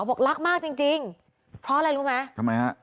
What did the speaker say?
เพราะอะไรรู้ไหม